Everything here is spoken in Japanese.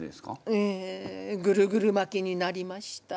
ええぐるぐるまきになりました。